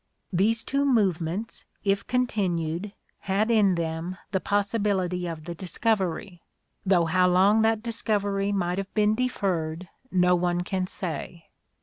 These two movements, if continued, had in them the possibility of the dis covery ; though how long that discovery might have been deferred, no one can say.